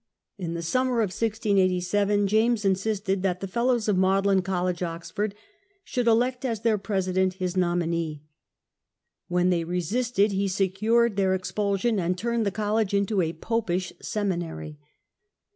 In the summer of 1687 James insisted that the Fellows of Magdalen College, Oxford, should elect as their president his nominee. When they resisted he secured their ex pulsion, and turned the college into a " Popish seminary".